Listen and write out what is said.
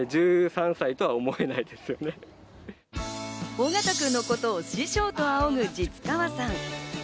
緒方君のことを師匠と仰ぐ實川さん。